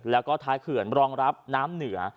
แล้วก็ท้ายเขื่อนรองรับน้ำเหนือ